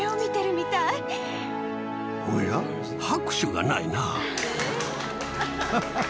おやっ、拍手がないなぁ。